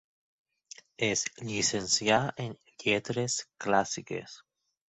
Es llicencià en lletres clàssiques.